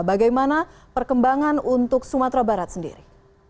bagaimana perkembangan untuk sumatera barat sendiri